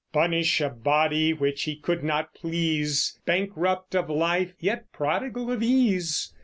Punish a body which he could not please; Bankrupt of life, yet prodigal of ease?